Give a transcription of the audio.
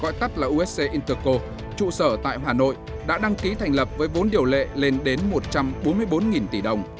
gọi tắt là usc interco trụ sở tại hà nội đã đăng ký thành lập với vốn điều lệ lên đến một trăm bốn mươi bốn tỷ đồng